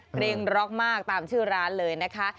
เพลงร็อกมากตามชื่อร้านเลยนะคะ